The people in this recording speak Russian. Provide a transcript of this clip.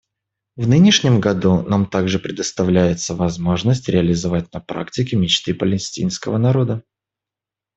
В нынешнем году нам также предоставляется возможность реализовать на практике мечты палестинского народа.